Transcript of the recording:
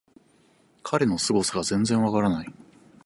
彼のすごさが全然わからない